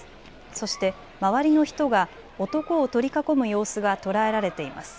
そして周りの人が男を取り囲む様子が捉えられています。